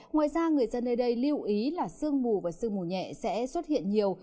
ngoài ra người dân nơi đây lưu ý là sương mù và sương mù nhẹ sẽ xuất hiện nhiều